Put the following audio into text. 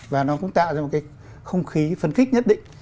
và nó cũng tạo ra một cái không khí phân khích nhất định